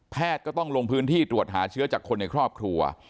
ก็ต้องลงพื้นที่ตรวจหาเชื้อจากคนในครอบครัว